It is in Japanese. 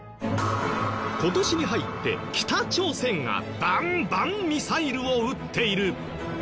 今年に入って北朝鮮がバンバンミサイルを撃っている。